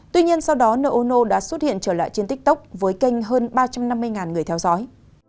tuy nhiên sau đó nô ô nô đã xuất hiện trở lại trên tiktok với kênh hơn ba trăm năm mươi người theo dõi